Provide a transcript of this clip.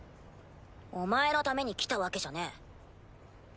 お前のために来たわけじゃねぇ。